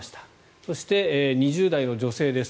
そして、２０代の女性です。